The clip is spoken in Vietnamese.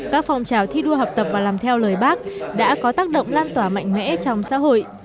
các phòng trào thi đua học tập và làm theo lời bác đã có tác động lan tỏa mạnh mẽ trong xã hội